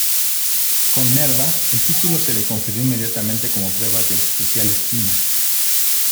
Con Nerva, el título se le confirió inmediatamente, como prueba de especial estima.